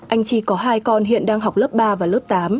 anh chi có hai con hiện đang học lớp ba và lớp tám